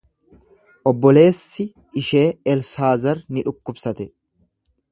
Obboleessi ishee Elsaazar ni dhukkubsate.